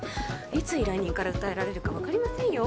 いつ依頼人から訴えられるか分かりませんよ